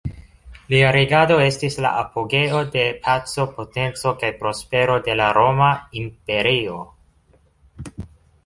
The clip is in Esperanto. Lia regado estis la apogeo de paco potenco kaj prospero de la Roma imperio.